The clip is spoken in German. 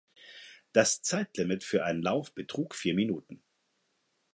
Das Zeitlimit für einen Lauf betrug vier Minuten.